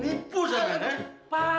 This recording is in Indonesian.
nipu sampian ya